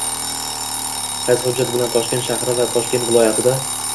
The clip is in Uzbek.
Qaysi hujjat bilan Toshkent shahri va Toshkent viloyatida